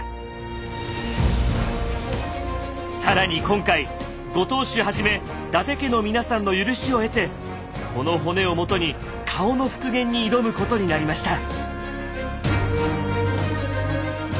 更に今回ご当主はじめ伊達家の皆さんの許しを得てこの骨をもとに顔の復元に挑むことになりました。